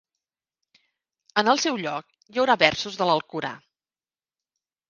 En el seu lloc hi haurà versos de l’alcorà.